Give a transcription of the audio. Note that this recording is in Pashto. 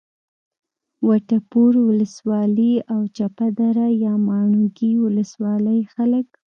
وټپور ولسوالي او چپه دره یا ماڼوګي ولسوالۍ خلک